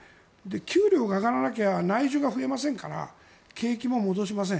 給料が上がらなきゃ内需が増えませんから景気も戻しません。